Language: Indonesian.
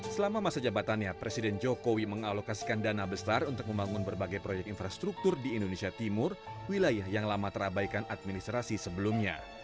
selama masa jabatannya presiden jokowi mengalokasikan dana besar untuk membangun berbagai proyek infrastruktur di indonesia timur wilayah yang lama terabaikan administrasi sebelumnya